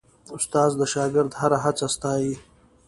استاد د شاګرد هره هڅه ستايي.